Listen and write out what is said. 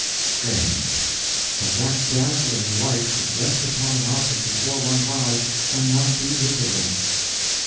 "Strange—that that dazzling light could rest upon an object before one's eyes and not be visible."